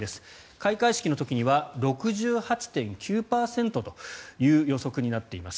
開会式の時には６８．９％という予測になっています。